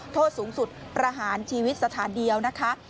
โทษสูงสุดประหารชีวิตสถานเดียวนะคะ